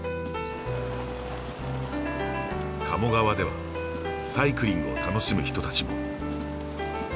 鴨川ではサイクリングを楽しむ人たちも。